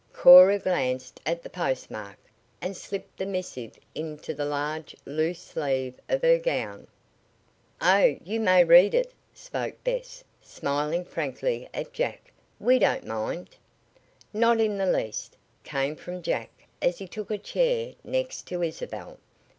Cora glanced at the postmark, and slipped the missive into the large, loose sleeve of her gown. "Oh, you may read it," spoke Bess, smiling frankly at Jack. "We don't mind." "Not in the least," came from Jack as he took a chair next to Isabel.